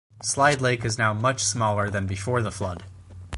Slide Lake is now much smaller than before the flood.